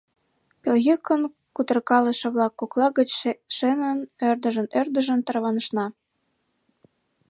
Пелейӱкын кутыркалыше-влак кокла гыч шенын, ӧрдыжын-ӧрдыжын тарванышна.